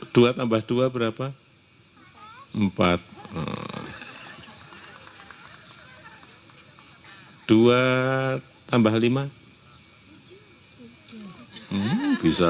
dua tambah lima